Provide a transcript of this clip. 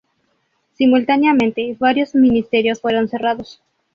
Simultáneamente, varios ministerios fueron cerrados.